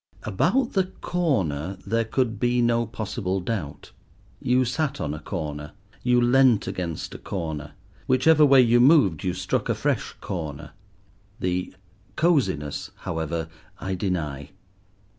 About the "corner" there could be no possible doubt. You sat on a corner, you leant against a corner; whichever way you moved you struck a fresh corner. The "cosiness," however, I deny.